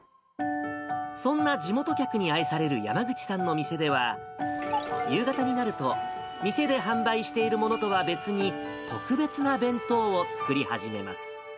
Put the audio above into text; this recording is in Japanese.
そんな地元客に愛される山口さんの店では、夕方になると、店で販売しているものとは別に、特別な弁当を作り始めます。